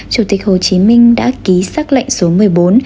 chủ tịch hồ chí minh đã ký xác lệnh số một mươi bốn